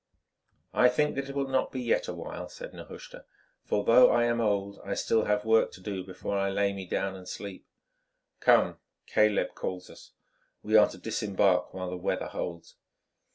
"I think that it will not be yet awhile," said Nehushta, "for although I am old, I still have work to do before I lay me down and sleep. Come, Caleb calls us. We are to disembark while the weather holds."